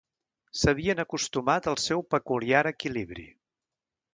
S'havien acostumat al seu peculiar equilibri.